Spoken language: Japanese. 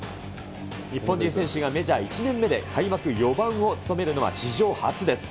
日本人選手がメジャー１年目で開幕４番を務めるのは史上初です。